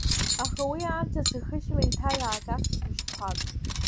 Аха уи аамҭазы хыхьла еиҭа иаагахт быжьқәак.